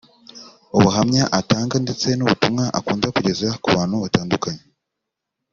ubuhamya atanga ndetse n’ubutumwa akunda kugeza ku bantu batandukanye